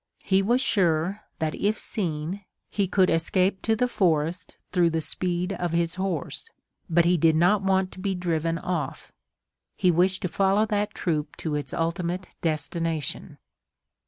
He was sure that if seen he could escape to the forest through the speed of his horse. But he did not want to be driven off. He wished to follow that troop to its ultimate destination.